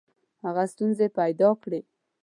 هغه ستونزي پیدا کړې.